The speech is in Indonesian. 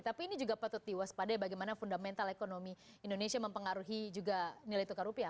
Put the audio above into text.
tapi ini juga patut diwaspadai bagaimana fundamental ekonomi indonesia mempengaruhi juga nilai tukar rupiah